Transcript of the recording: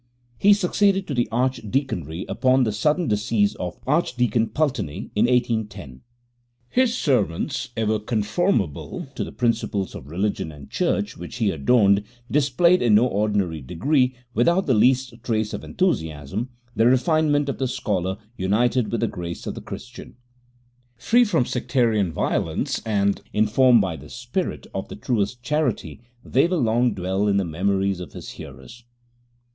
He succeeded to the Archdeaconry upon the sudden decease of Archdeacon Pulteney in 1810. His sermons, ever conformable to the principles of the religion and Church which he adorned, displayed in no ordinary degree, without the least trace of enthusiasm, the refinement of the scholar united with the graces of the Christian. Free from sectarian violence, and informed by the spirit of the truest charity, they will long dwell in the memories of his hearers.